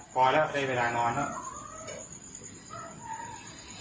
พอแล้วได้เวลานอนแล้ว